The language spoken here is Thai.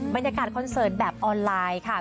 บรรยากาศคอนเซิร์ตแบบออนไลน์ค่ะ